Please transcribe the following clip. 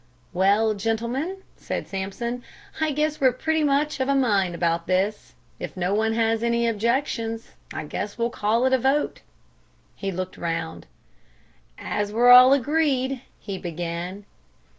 "Well, gentlemen," said Sampson, "I guess we're pretty much of a mind about this. If no one has any objections, I guess we'll call it a vote." He looked round. "As we're all agreed " he began.